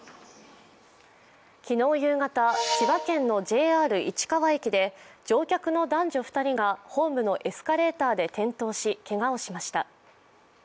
昨日夕方、千葉県のＪＲ市川駅で乗客の男女２人がホームのエスカレーターで転倒し、けがをしました。